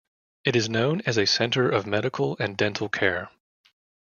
It is known as a center of medical and dental care.